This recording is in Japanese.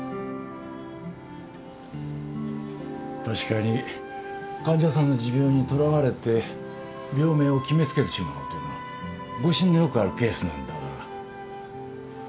確かに患者さんの持病にとらわれて病名を決めつけてしまうというのは誤診のよくあるケースなんだが。